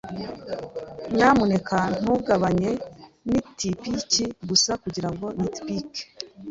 Nyamuneka ntugabanye nitipiki gusa kugirango nitipike.